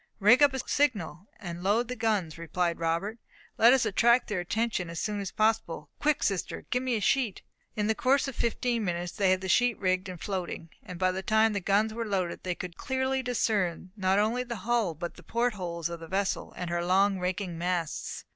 "Rig up a signal, and load the guns," replied Robert. "Let us attract their attention as soon as possible. Quick, sister, get me a sheet!" In the course of fifteen minutes they had the sheet rigged and floating; and by the time the guns were loaded, they could clearly discern not only the hull, but the port holes of the vessel, and her long raking masts.